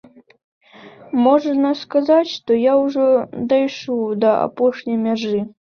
Можна сказаць, што я ўжо дайшоў да апошняй мяжы.